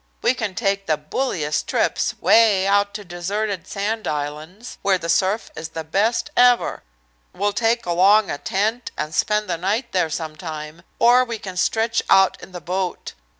"We can take the bulliest trips, way out to deserted sand islands, where the surf is the best ever. We'll take along a tent and spend the night there sometime, or we can stretch out in the boat.